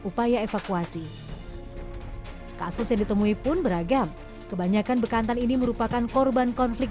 upaya evakuasi kasus yang ditemui pun beragam kebanyakan bekantan ini merupakan korban konflik